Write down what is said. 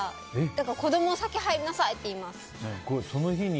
だから子供に先に入りなさいって言います。